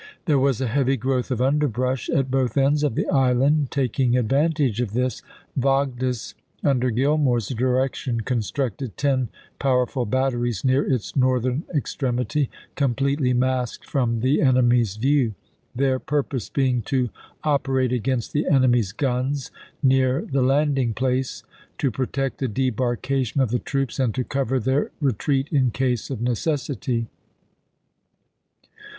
There was a heavy growth of underbrush at both ends of the island ; taking advantage of this, Yogdes, under Gillmore's direction, constructed ten powerful batteries near its northern extremity, completely masked from the enemy's view; their purpose being to operate against the enemy's guns near the landing place, to protect the debarkation of the troops, and to cover their retreat in case of necessity.